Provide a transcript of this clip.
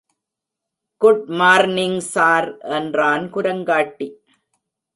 Good morning sir! என்றான் குரங்காட்டி.